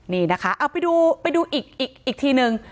นี่นะคะเอาไปดูไปดูอีกอีกอีกทีนึง